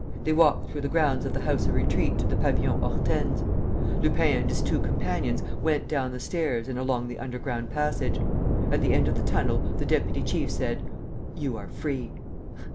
They walked through the grounds of the House of Retreat to the Pavillon Hortense. Lupin and his two companions went down the stairs and along the underground passage. At the end of the tunnel, the deputy chief said: "You are free."